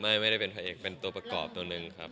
ไม่ได้เป็นพระเอกเป็นตัวประกอบตัวหนึ่งครับ